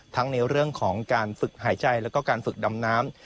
ทั้งในเรื่องของการฝึกหายใจแล้วก็การฝึกดำน้ำ